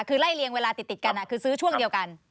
คือไล่เรียงเวลาติดกันคือซื้อช่วงเดียวกัน